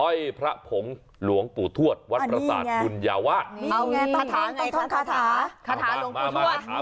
เฮ้ยพระผงหลวงปู่ทวชวัดประสานฑรรยาวาต้องถามขาถา